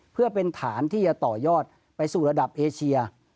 เพื่อเป็นฐานที่จะต่อยอดไปสู่ระดับเอเชีย